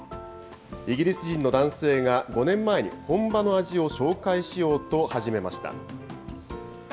イギリス人の男性が、５年前に本場の味を紹介しようと始めました。